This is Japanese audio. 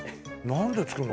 何で作るの？